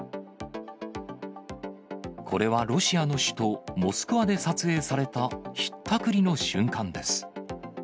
これはロシアの首都モスクワで撮影されたひったくりの瞬間です。